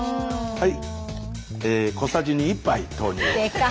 はい。